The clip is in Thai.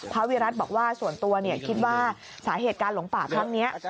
วิรัติบอกว่าส่วนตัวคิดว่าสาเหตุการหลงป่าครั้งนี้